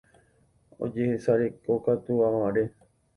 Ojesarekokatu aváre.